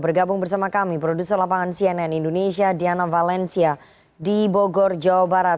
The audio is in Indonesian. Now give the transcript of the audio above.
bergabung bersama kami produser lapangan cnn indonesia diana valencia di bogor jawa barat